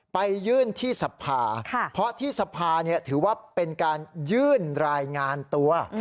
ไปยื่นที่สภาเพราะที่สภาถือว่าเป็นการยื่นรายงานตัว